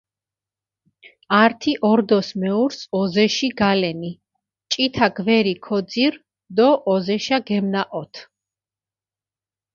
ართი ორდოს მეურს ოზეში გალენი, ჭითა გვერი ქოძირჷ დო ოზეშა გამნაჸოთჷ.